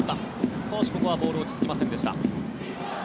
少しここはボールが落ち着きませんでした。